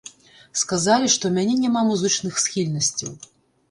Сказалі, што ў мяне няма музычных схільнасцяў.